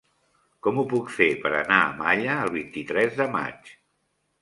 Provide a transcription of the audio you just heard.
Com ho puc fer per anar a Malla el vint-i-tres de maig?